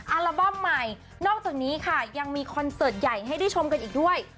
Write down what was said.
อัลบั้มใหม่นอกจากนี้ค่ะยังมีคอนเสิร์ตใหญ่ให้ได้ชมกันอีกด้วย